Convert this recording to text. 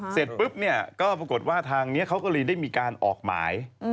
เสร็จปุ๊บเนี่ยก็ปรากฏว่าทางนี้เขาก็เลยได้มีการออกหมาย